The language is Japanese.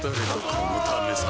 このためさ